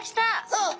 そう！